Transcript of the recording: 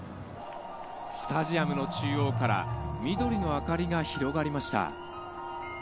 スタジアム中央から緑の明かりが広がりました。